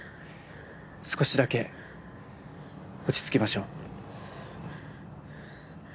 少しだけ落ち着きましょう。